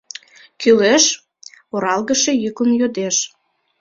— Кӱлеш? — оралгыше йӱкын йодеш.